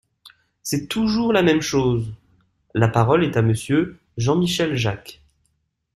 C’est toujours la même chose ! La parole est à Monsieur Jean-Michel Jacques.